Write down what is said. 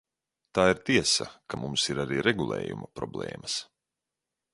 Tā ir tiesa, ka mums ir arī regulējuma problēmas.